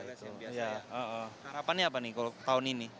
harapannya apa nih kalau tahun ini